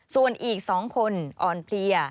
ส่วนอีก๒คนอ่อนเพลีย